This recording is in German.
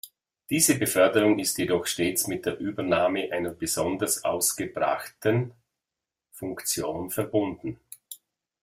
Diese Beförderung ist jedoch stets mit der Übernahme einer besonders ausgebrachten Funktion verbunden.